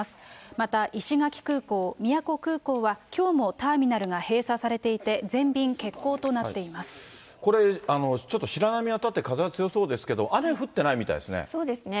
また、石垣空港、宮古空港はきょうもターミナルが閉鎖されていて、全便欠航となっこれ、ちょっと白波が立って風が強そうですけれども、雨降ってないみたそうですね。